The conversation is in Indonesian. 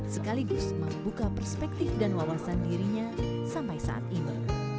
sekaligus membuka perspektif dan wawasan dirinya sampai saat ini